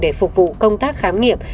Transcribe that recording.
để phục vụ công tác khám nghiệp